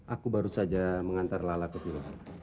aku baru saja mengantar lala ke sini